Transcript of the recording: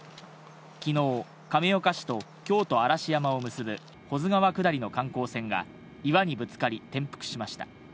きのう、亀岡市と京都・嵐山を結ぶ保津川下りの観光船が岩にぶつかり、転覆しました。